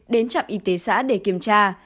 đến trạm y tế xã để kiểm tra